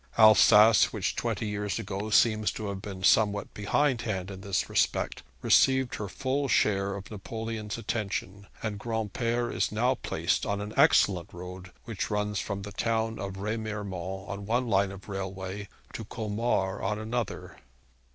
Alsace, which twenty years ago seems to have been somewhat behindhand in this respect, received her full share of Napoleon's attention, and Granpere is now placed on an excellent road which runs from the town of Remiremont on one line of railway, to Colmar on another.